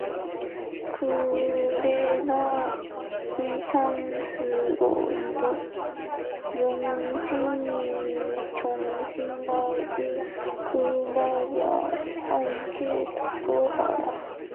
그러나 이상스러이도 영신의 정신만은 그 말과 함께 똑똑하다.